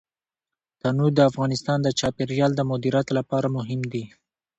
تنوع د افغانستان د چاپیریال د مدیریت لپاره مهم دي.